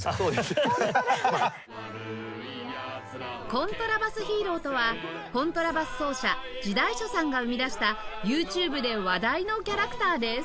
コントラバスヒーローとはコントラバス奏者地代所さんが生み出した ＹｏｕＴｕｂｅ で話題のキャラクターです